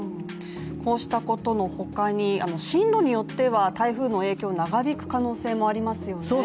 こうしたことの他に、進路によっては台風の影響、長引く可能性もありますよね。